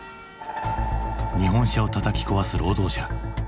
日本車をたたき壊す労働者。